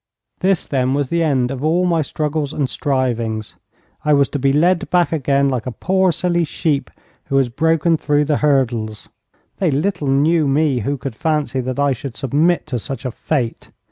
This, then, was the end of all my struggles and strivings. I was to be led back again like a poor silly sheep who has broken through the hurdles. They little knew me who could fancy that I should submit to such a fate.